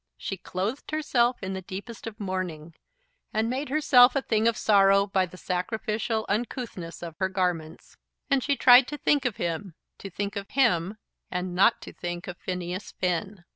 She clothed herself in the deepest of mourning, and made herself a thing of sorrow by the sacrificial uncouthness of her garments. And she tried to think of him; to think of him, and not to think of Phineas Finn.